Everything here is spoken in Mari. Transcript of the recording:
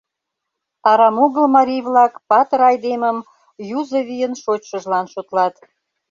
Арам огыл марий-влак патыр айдемым юзо вийын шочшыжлан шотлат.